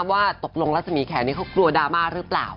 ว่าตกลงรัศมีแขนนี้เขากลัวดราม่าหรือเปล่า